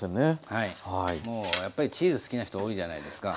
はいもうやっぱりチーズ好きな人多いじゃないですか。